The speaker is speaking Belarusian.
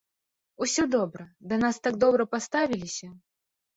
Усё добра, да нас так добра паставіліся.